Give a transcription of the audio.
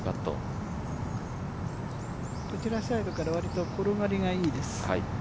こちらサイドからは割と転がりがいいです。